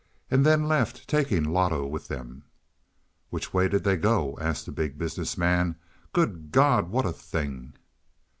" and then left, taking Loto with them." "Which way did they go?" asked the Big Business Man. "Good God, what a thing!"